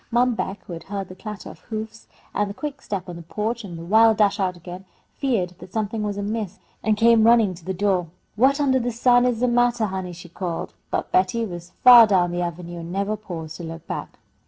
Mom Beck, who had heard the clatter of hoofs, the quick step on the porch, and the wild dash out again, feared that something was amiss, and came running to the door. "What undah the sun is the mattah, honey?" she called, but Betty was far down the avenue, and never paused to look back.